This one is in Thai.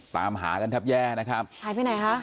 ตามหากันแทบแย่นะครับหายไปไหนคะ